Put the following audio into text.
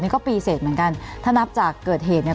นี่ก็ปีเสร็จเหมือนกันถ้านับจากเกิดเหตุเนี่ย